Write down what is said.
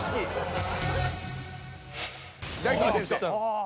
ああ。